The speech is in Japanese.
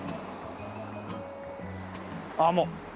ああもう。